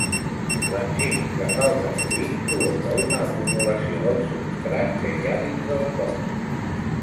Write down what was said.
L'enzim que falta sovint provoca una acumulació del substrat que hi ha dins del cos.